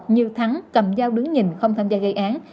nhiều thắng cầm dao đứng nhìn không tham gia gây án